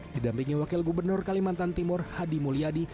didampingi wakil gubernur kalimantan timur hadi mulyadi